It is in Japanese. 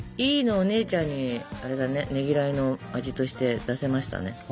いいのお姉ちゃんにねぎらいの味として出せましたね。